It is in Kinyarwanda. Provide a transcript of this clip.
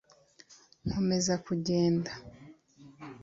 nkomeza kugenda